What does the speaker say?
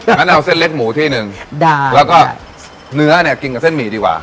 งั้นเอาเส้นเล็กหมูที่หนึ่งแล้วก็เนื้อเนี่ยกินกับเส้นหมี่ดีกว่า